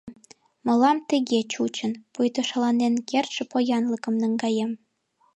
Мылам тыге чучын, пуйто шаланен кертше поянлыкым наҥгаем.